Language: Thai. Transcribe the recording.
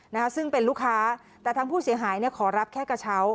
นะคะซึ่งเป็นลูกค้าแต่ทางผู้เสียหายเนี่ยขอรับแค่กระเช้า